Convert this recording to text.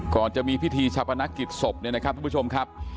ก่อนจะมีพิธีชาปนกิจศพเนี่ยนะครับทุกผู้ชมครับ